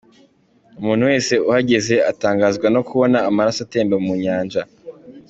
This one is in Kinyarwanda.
Umuntu wese uhageze atangazwa no kubona amaraso atemba mu Nyanja.